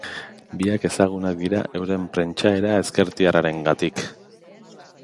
Biak ezagunak dira euren pentsaera ezkertiarrarengatik.